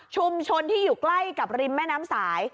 ชุมชนที่อยู่ใกล้กับริมแม่น้ำสาย